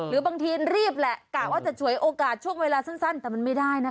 หรือบางทีรีบแหละกะว่าจะฉวยโอกาสช่วงเวลาสั้นแต่มันไม่ได้นะ